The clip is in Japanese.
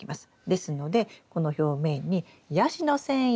ですのでこの表面にヤシの繊維。